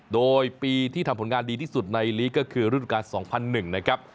โดยปีที่ทำผลงานดีที่สุดในลีกก็คือฤดูการ๒๐๐๑นะครับ